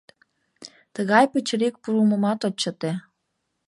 Тыгай пычырик пурлмымат от чыте!